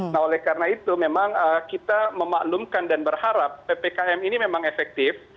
nah oleh karena itu memang kita memaklumkan dan berharap ppkm ini memang efektif